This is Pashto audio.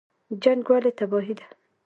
جنګ ولې تباهي ده؟